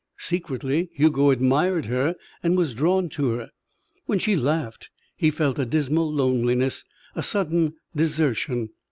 Secretly Hugo admired her and was drawn to her. When she laughed, he felt a dismal loneliness, a sudden desertion.